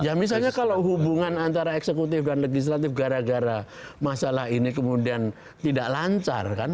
ya misalnya kalau hubungan antara eksekutif dan legislatif gara gara masalah ini kemudian tidak lancar kan